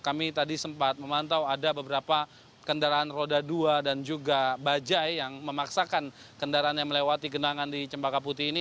kami tadi sempat memantau ada beberapa kendaraan roda dua dan juga bajai yang memaksakan kendaraan yang melewati genangan di cempaka putih ini